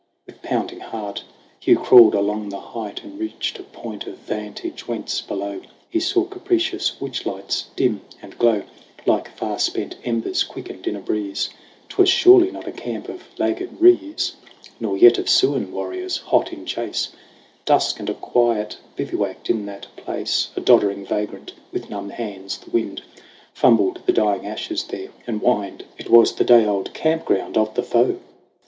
With pounding heart Hugh crawled along the height And reached a point of vantage whence, below, He saw capricious witch lights dim and glow Like far spent embers quickened in a breeze. 'Twas surely not a camp of laggard Rees, Nor yet of Siouan warriors hot in chase. Dusk and a quiet bivouacked in that place. A doddering vagrant with numb hands, the Wind Fumbled the dying ashes there, and whined. It was the day old camp ground of the foe